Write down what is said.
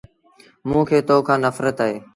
موݩ کي تو کآݩ نڦرت اهي۔